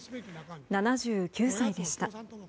７９歳でした。